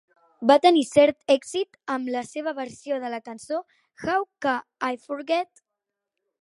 Va tenir cert èxit amb la seva versió de la cançó "How Ca I Forget?".